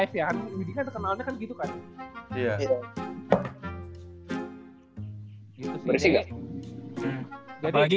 widy kan terkenalnya kan gitu kan